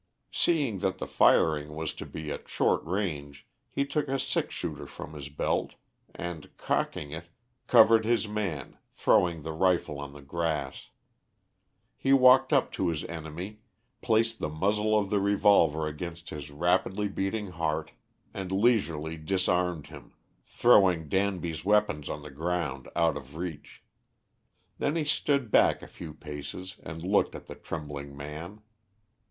Seeing that the firing was to be at short range, he took a six shooter from his belt, and, cocking it, covered his man, throwing the rifle on the grass. He walked up to his enemy, placed the muzzle of the revolver against his rapidly beating heart, and leisurely disarmed him, throwing Danby's weapons on the ground out of reach. Then he stood back a few paces and looked at the trembling man.